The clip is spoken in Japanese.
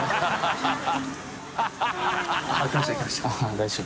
大丈夫？